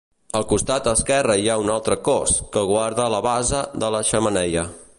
Al costat esquerre hi ha un altre cos que guarda la base de la xemeneia.